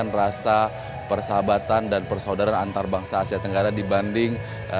mengedepankan rasa persahabatan dan persaudaraan antar bangsa asia tenggara dibanding